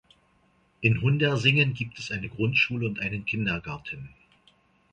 In Hundersingen gibt es eine Grundschule und einen Kindergarten.